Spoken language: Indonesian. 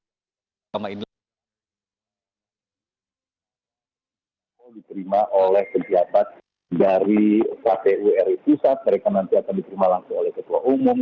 kepala kpu dan perusahaan kpu diperima oleh kepala kpu dari kpu ri pusat mereka nanti akan diperima langsung oleh kepala umum